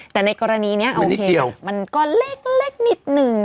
แต่ในกรณีนี้โอเคมันก็เล็กนิดนึง